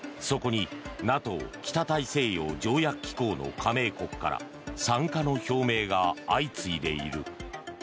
そこにＮＡＴＯ・北大西洋条約機構の加盟国から参加の表明が相次いでいる。